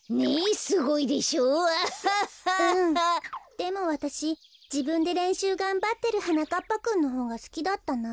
でもわたしじぶんでれんしゅうがんばってるはなかっぱくんのほうがすきだったな。